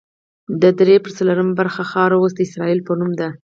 دې درې پر څلورمه برخه خاوره اوس د اسرائیل په نوم ده.